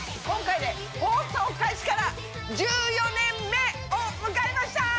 今回で放送開始から１４年目を迎えました！